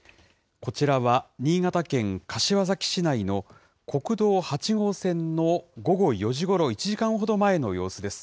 こちらは、新潟県柏崎市内の国道８号線の午後４時ごろ、１時間ほど前の様子です。